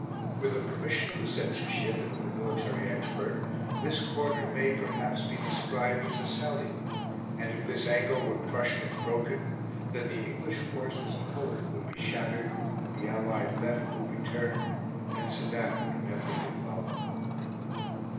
With the permission of the Censorship and of the military expert, this corner may, perhaps, be described as a salient, and if this angle were crushed and broken, then the English force as a whole would be shattered, the Allied left would be turned, and Sedan would inevitably follow.